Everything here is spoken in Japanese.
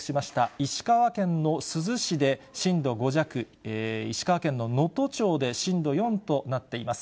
石川県の珠洲市で震度５弱、石川県の能登町で震度４となっています。